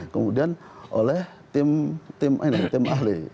kemudian oleh tim ahli